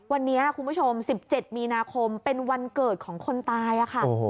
วันนี้คุณผู้ชม๑๗มีนาคมเป็นวันเกิดของคนตายค่ะ